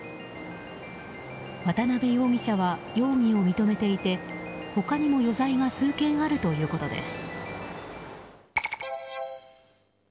渡辺容疑者は容疑を認めていて他にも余罪が数件あるということです。